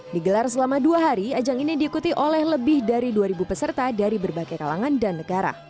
digelar selama dua hari ajang ini diikuti oleh lebih dari dua peserta dari berbagai kalangan dan negara